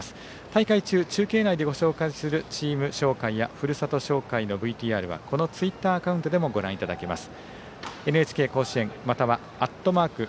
大会中、中継内でご紹介するチーム紹介やふるさと紹介のＶＴＲはこのツイッターアカウントでもご覧いただけます。